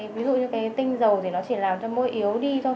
ví dụ như cái tinh dầu thì nó chỉ làm cho môi yếu đi thôi